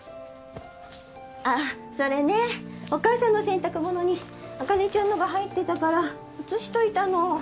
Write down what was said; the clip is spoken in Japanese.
ああそれねお母さんの洗濯物に茜ちゃんのが入ってたから移しておいたの。